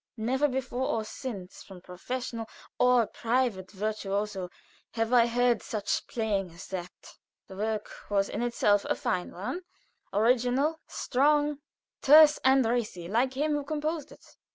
Never, before or since, from professional or private virtuoso, have I heard such playing as that. The work was in itself a fine one; original, strong, terse and racy, like him who had composed it.